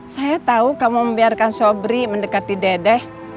saya tahu kamu membiarkan sobri mendekati dedeh